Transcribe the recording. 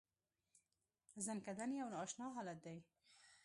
ځنکدن یو نا اشنا حالت دی .